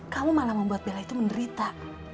kamu malah membuat bela itu menderita